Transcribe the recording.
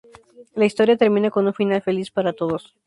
La historia termina con un final feliz para todos.